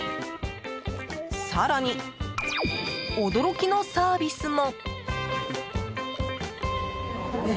更に驚きのサービスも！